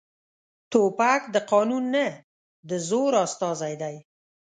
توپک د قانون نه، د زور استازی دی.